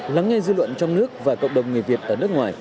lắng nghe dư luận trong nước và cộng đồng người việt ở nước ngoài